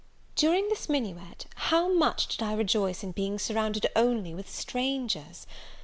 During this minuet, how much did I rejoice in being surrounded only with strangers!